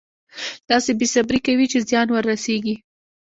داسې بې صبري کوي چې زیان ورسېږي.